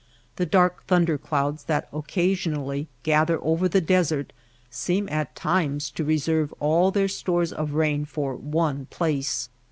The dark thunder clouds that occasionally gather over the desert seem at times to reserve all their stores of rain for one place.